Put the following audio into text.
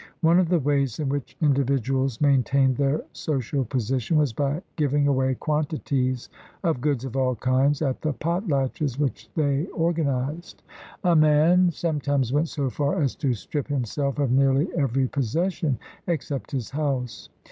One of the ways in which individuals maintained their social position was by giving away quantities of goods of all kinds at the potlatches which they organized. A man THE RED MAN IN AIVIERICA 133 sometimes went so far as to strip himself of nearly every possession except his house.